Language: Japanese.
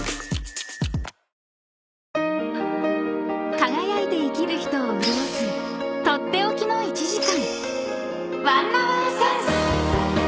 ［輝いて生きる人を潤す取って置きの１時間］